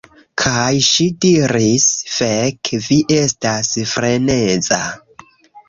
Kaj ŝi diris: "Fek, vi estas freneza."